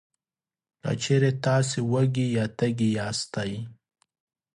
که چېرې تاسې وږي یا تږي یاستی،